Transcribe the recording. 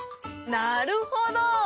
なるほど！